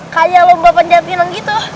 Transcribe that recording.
kayak lomba panjapinan gitu